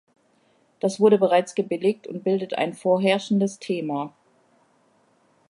Das wurde bereits gebilligt und bildet ein vorherrschendes Thema.